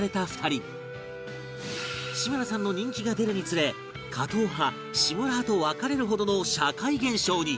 志村さんの人気が出るにつれ加藤派志村派と分かれるほどの社会現象に